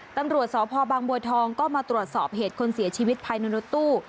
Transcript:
ตำรวจสพบางบัวทองก็มาตรวจสอบเหตุคนเสียชีวิตภายในรถตู้